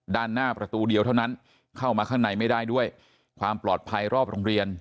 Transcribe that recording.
ด้านหน้าประตูเดียวเท่านั้นเข้ามาข้างในไม่ได้ด้วยความปลอดภัยรอบโรงเรียน